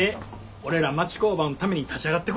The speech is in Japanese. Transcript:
俺ら町工場のために立ち上がってくれはったんやから。